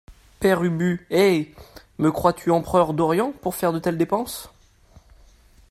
Père Ubu Eh ! me crois-tu empereur d’Orient pour faire de telles dépenses ?